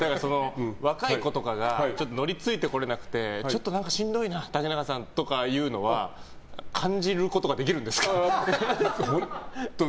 若いことかノリについてこれなくてちょっとしんどいな竹中さんというのは感じることはできるんですか？